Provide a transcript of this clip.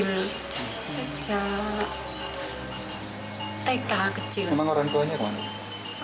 orang tuanya kemana